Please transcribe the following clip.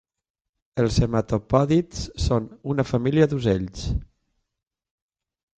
Els hematopòdids són una família d'ocells